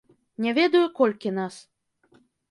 Не ведаю, колькі нас.